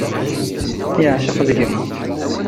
Yeεceq deg-m.